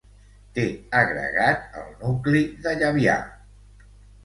Té agregat el nucli de Llabià.